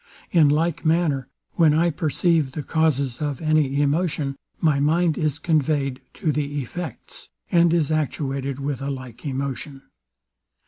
In like manner, when I perceive the causes of any emotion, my mind is conveyed to the effects, and is actuated with a like emotion.